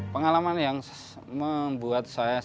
pengalaman yang membuat saya senang